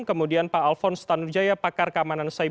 kemudian pak alvon stanudjaya pakar kamar jaya